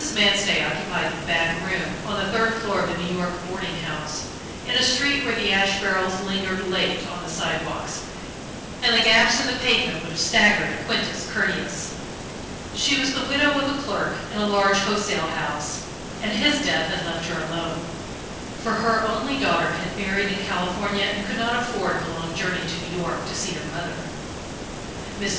Manstey occupied the back room on the third floor of a New York boarding house, in a street where the ash barrels lingered late on the sidewalk and the gaps in the pavement would have staggered a Quintus Curtius. She was the widow of a clerk in a large wholesale house, and his death had left her alone, for her only daughter had married in California, and could not afford the long journey to New York to see her mother. Mrs.